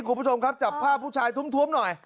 คุณผู้ชมครับจับภาพผู้ชายทุ่มหน่อย